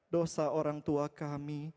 dosa orang tua kami